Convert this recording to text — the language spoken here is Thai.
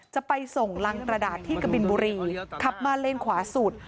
จะไปส่งรังกระดาษที่กบินบุรีขับมาเลนขวาสุด